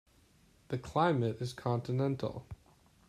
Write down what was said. The climate is continental.